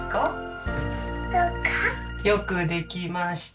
よくできました。